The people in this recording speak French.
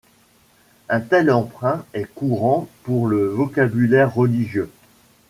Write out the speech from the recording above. Un tel emprunt est courant pour le vocabulaire religieux.